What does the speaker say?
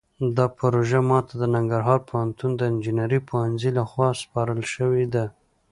دا پروژه ماته د ننګرهار پوهنتون د انجنیرۍ پوهنځۍ لخوا سپارل شوې ده